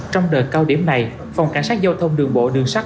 trong đợt cao điểm này phòng cảnh sát giao thông đường bộ đường sắt